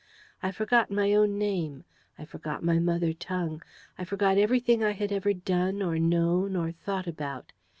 I forgot my own name. I forgot my mother tongue. I forgot everything I had ever done or known or thought about.